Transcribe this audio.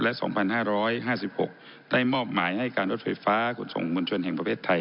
และ๒๕๕๖ได้มอบหมายให้การรถไฟฟ้าขนส่งมวลชนแห่งประเทศไทย